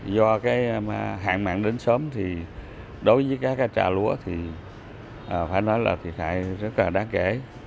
do hạn mạng đến sớm thì đối với các trạ lúa thì phải nói là thiệt hại rất là đáng kể